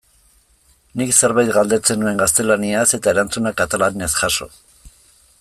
Nik zerbait galdetzen nuen gaztelaniaz eta erantzuna katalanez jaso.